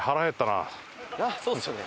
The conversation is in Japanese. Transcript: そうですよね。